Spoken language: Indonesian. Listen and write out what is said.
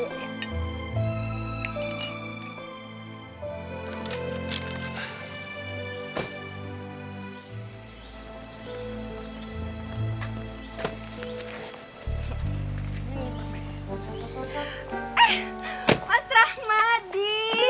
eh mas rahmadi